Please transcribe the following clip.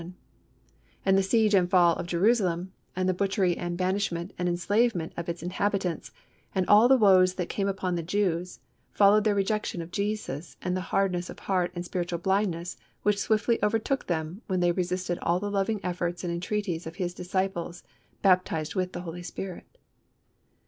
51); and the siege and fall of Jerusalem, and the butchery and banishment and enslavement of its inhabitants, and all the woes that came upon the Jews, followed their rejection of Jesus and the hardness of heart and spiritual blindness which swiftly overtook them when they resisted all the loving efforts and entreaties of His disciples baptised with the Holy Spirit.